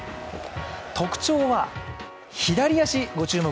特徴は左足、ご注目。